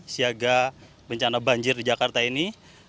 siaga bencana banjir di jakarta ini